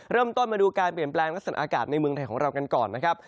เริ่มต้นมาดูการเปลี่ยนแปลงลักษณะอากาศในเมืองไทยของเรากันก่อนนะครับ